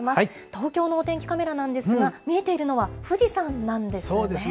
東京のお天気カメラなんですが、見えているのは富士山なんですよ